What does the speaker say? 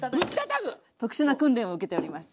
特殊な訓練を受けております。